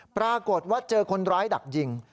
ปรากฏว่าเจอคนร้ายดักยิง